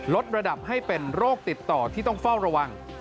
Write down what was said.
ลดระดับให้เป็นโรคติดต่อที่ต้องเฝ้าระวัง